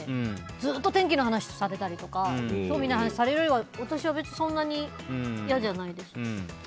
ずっと天気の話されたりとか興味ない話をされるよりは私は別にそんなに嫌じゃないです。